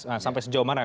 nah sampai sejauh mana